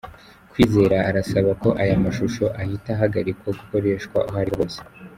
Kwizera arasaba ko aya mashusho ahita ahagarikwa gukoreshwa aho ari ho hose.